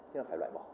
nhưng mà phải loại bỏ